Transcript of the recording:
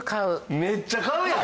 めっちゃ買うやん！